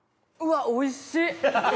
うわおいしっ！